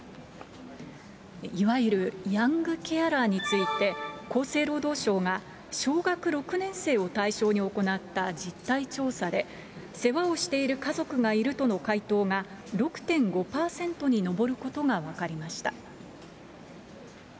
いわゆるヤングケアラーについて、厚生労働省が、小学６年生を対象に行った実態調査で、世話をしている家族がいるとの回答が、６．５％に上ることが分かりました。